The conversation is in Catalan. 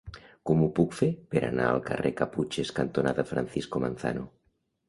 Com ho puc fer per anar al carrer Caputxes cantonada Francisco Manzano?